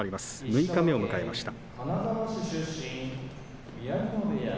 六日目を迎えました。